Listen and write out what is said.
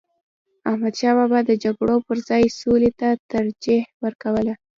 احمدشاه بابا د جګړو پر ځای سولي ته ترجیح ورکوله.